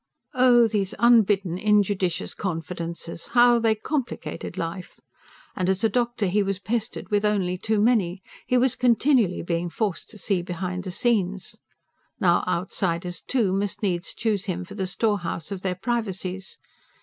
Oh, these unbidden, injudicious confidences! How they complicated life! And as a doctor he was pestered with only too many; he was continually being forced to see behind the scenes. Now, outsiders, too, must needs choose him for the storehouse of their privacies.